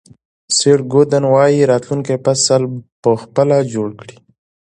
سیټ گودن وایي راتلونکی فصل په خپله جوړ کړئ.